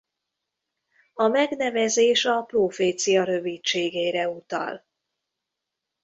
A megnevezés a prófécia rövidségére utal.